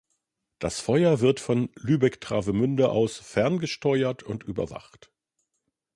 Das Feuer wird von Lübeck-Travemünde aus ferngesteuert und überwacht.